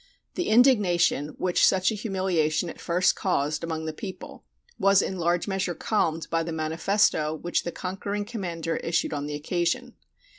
The indignation which such a humiliation at first caused among the people was in large measure calmed by the manifesto which the conquering commander issued on the occasion.